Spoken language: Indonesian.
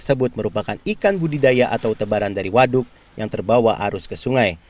tersebut merupakan ikan budidaya atau tebaran dari waduk yang terbawa arus ke sungai